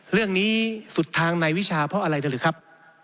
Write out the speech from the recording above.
เรื่องนี้สุดทางนายวิชาเพราะอะไรได้หรือครับ